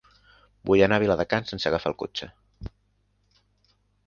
Vull anar a Viladecavalls sense agafar el cotxe.